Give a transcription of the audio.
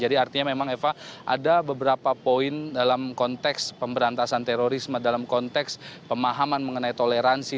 jadi artinya memang eva ada beberapa poin dalam konteks pemberantasan terorisme dalam konteks pemahaman mengenai toleransi